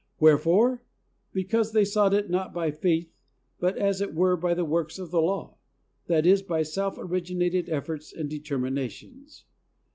Where fore? Because they sought it not by faith, but as it were by the works of the law ;' that is, by self originated efforts and deter minations."